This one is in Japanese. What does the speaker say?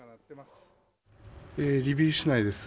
リビウ市内です。